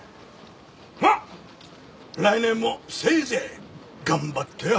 まあ来年もせいぜい頑張ってや。